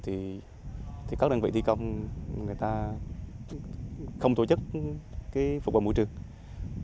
thì các đơn vị thi công người ta không tổ chức cái phục hồi môi trường